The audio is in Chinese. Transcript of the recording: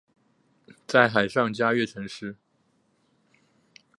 有海上嘉月尘诗。